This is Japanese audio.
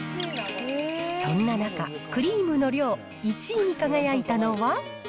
そんな中、クリームの量１位に輝いたのは。